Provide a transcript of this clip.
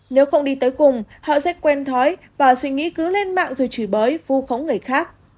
nếu không đi tới cùng họ sẽ quen thói và suy nghĩ cứ lên mạng rồi chửi bới vu khống người khác